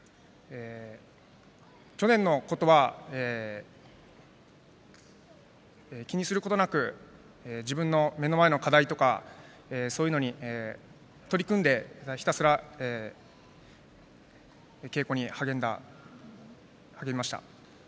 去年のことは気にすることなく自分の目の前の課題とかそういうのに取り組んでひたすら稽古に励みました。